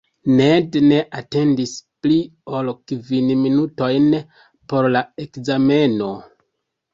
Ned ne atendis pli ol kvin minutojn por la ekzameno.